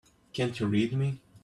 Can't you read me?